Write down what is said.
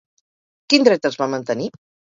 Quin dret es va mantenir?